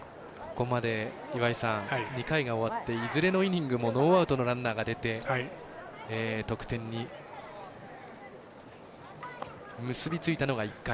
ここまで２回が終わっていずれのイニングもノーアウトのランナーが出て得点に結び付いたのが１回。